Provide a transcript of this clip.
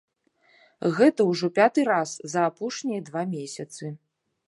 Гэта ўжо пяты раз за апошнія два месяцы.